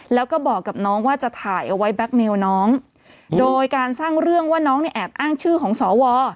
แล้วก็บอกกับน้องว่าจะถ่ายเอาไว้แก๊กเมลน้องโดยการสร้างเรื่องว่าน้องเนี่ยแอบอ้างชื่อของสว